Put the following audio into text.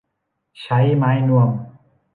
ใช้ไม้นวม